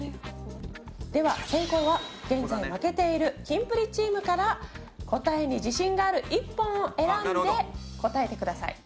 では先攻は現在負けているキンプリチームから答えに自信がある１本を選んで答えてください。